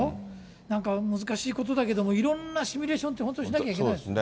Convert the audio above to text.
なんか難しいことだけど、いろんなシミュレーションって本当にしそうですね。